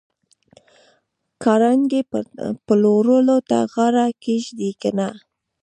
کارنګي به پلورلو ته غاړه کېږدي که نه